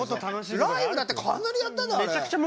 ライブだってかなりやったんだよ。